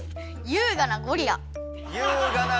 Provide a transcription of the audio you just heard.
「優雅なゴリラ」。